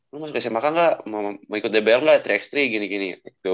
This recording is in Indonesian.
lo masuk sma k gak mau ikut dbl gak tiga x tiga gini gini